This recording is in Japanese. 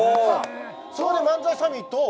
そこで漫才サミットを。